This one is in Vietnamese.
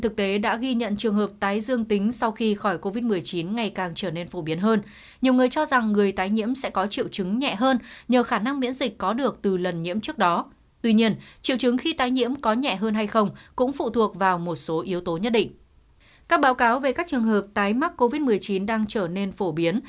các báo cáo về các trường hợp tái mắc covid một mươi chín đang trở nên phổ biến